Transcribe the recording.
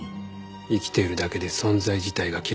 生きているだけで存在自体が嫌われる。